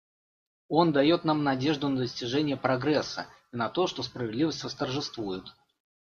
Он дает нам надежду на достижение прогресса и на то, что справедливость восторжествует.